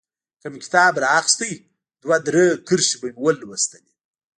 که مې کتاب رااخيست دوه درې کرښې به مې ولوستلې.